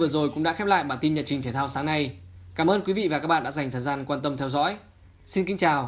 xin kính chào và hẹn gặp lại